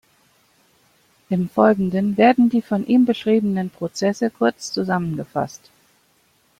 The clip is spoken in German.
Im Folgenden werden die von ihm beschriebenen Prozesse kurz zusammengefasst.